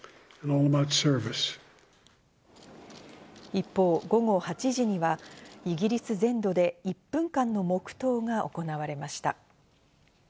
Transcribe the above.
一方、午後８時にはイギリス全土で１分間の黙とうが行われました。